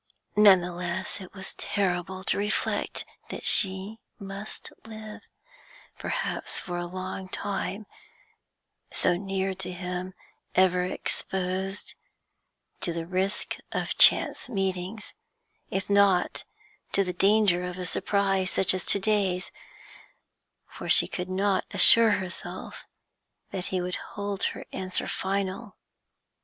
None the less, it was terrible to reflect that she must live, perhaps for a long time, so near to him, ever exposed to the risk of chance meetings, if not to the danger of a surprise such as to day's for she could not assure herself that he would hold her answer final.